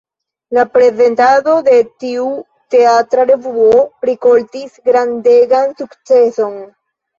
La prezentado de tiu teatra revuo rikoltis grandegan sukceson.